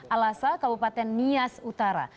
alasa kabupaten nias utara